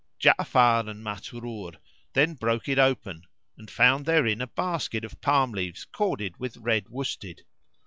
Ja'afar and Masrur then broke it open and found therein a basket of palm leaves corded with red worsted.